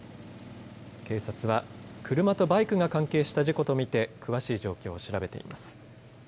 警察は、車とバイクが関係した事故と見て詳しい状況を調べています。